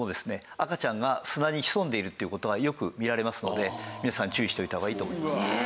赤ちゃんが砂に潜んでいるという事はよく見られますので皆さん注意しておいた方がいいと思います。